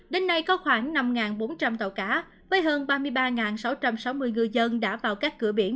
đến nay có khoảng năm bốn trăm linh tàu cá với hơn ba mươi ba sáu trăm sáu mươi ngư dân đã vào các cửa biển